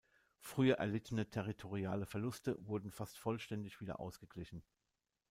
Früher erlittene territoriale Verluste wurden fast vollständig wieder ausgeglichen.